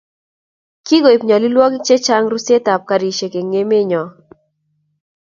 kigoib nyalilwogik chechang rusetab karishek eng emenyo